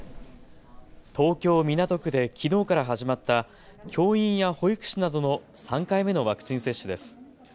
東京港区できのうから始まった教員や保育士などの３回目のワクチン接種です。